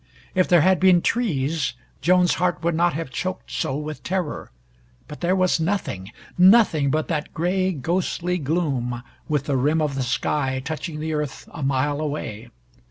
If there had been trees, Joan's heart would not have choked so with terror. But there was nothing nothing but that gray ghostly gloom, with the rim of the sky touching the earth a mile away.